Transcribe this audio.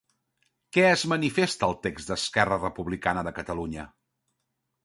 Què es manifesta al text d'Esquerra Republicana de Catalunya?